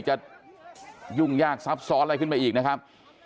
จะยุ่งยากซับซ้อนอะไรขึ้นไปอีกนะครับ